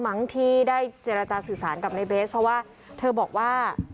มั้งที่ได้เจรจาสื่อสารกับในเบสเพราะว่าเธอบอกว่า